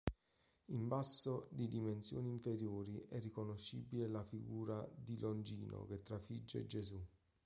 In basso di dimensioni inferiori, è riconoscibile la figura di Longino che trafigge Gesù.